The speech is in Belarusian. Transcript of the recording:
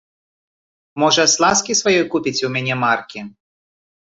Можа, з ласкі сваёй купіце ў мяне маркі?